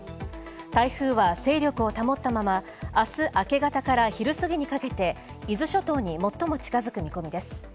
台風は勢力を保ったまま明日明け方から昼過ぎにかけて、伊豆諸島に最も近づく見込みです。